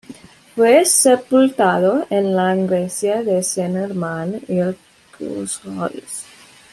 Fue sepultado en la iglesia de Saint Germain l’Auxerrois.